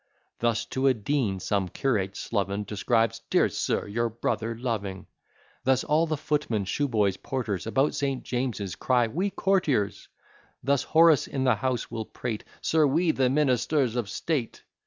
Thus to a dean some curate sloven Subscribes, "Dear sir, your brother loving." Thus all the footmen, shoeboys, porters, About St. James's, cry, "We courtiers." Thus Horace in the house will prate, "Sir, we, the ministers of state."